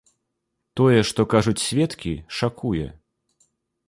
Тое, што кажуць сведкі, шакуе.